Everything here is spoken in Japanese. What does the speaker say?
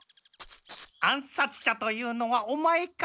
暗殺者というのはオマエか？